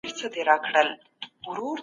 تعلیم د هر فرد اساسي اړتيا ده.